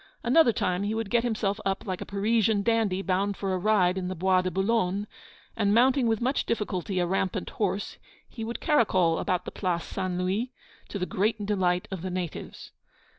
Another time he would get himself up like a Parisian dandy bound for a ride in the Bois de Boulogne; and, mounting with much difficulty a rampant horse, he would caracole about the Place St. Louis, to the great delight of the natives.